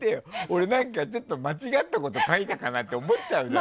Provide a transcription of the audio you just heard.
俺、何か間違ったこと書いたかなって思っちゃうじゃん。